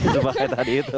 lupa kayak tadi itu